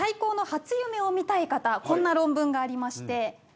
こんな論文がありまして。